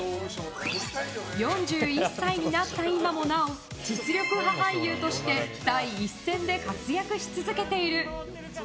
４１歳になった今もなお実力派俳優として第一線で活躍し続けている。